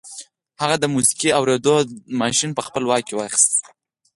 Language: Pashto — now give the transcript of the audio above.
هغه د موسیقي اورېدو ماشين په خپل واک کې واخیست